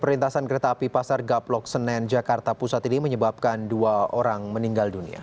perlintasan kereta api pasar gaplok senen jakarta pusat ini menyebabkan dua orang meninggal dunia